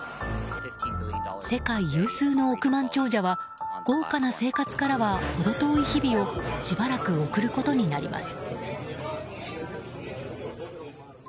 世界有数の億万長者は豪華な生活からは程遠い日々をしばらく送ることになります。